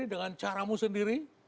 dengan caramu sendiri